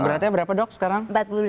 beratnya berapa dok sekarang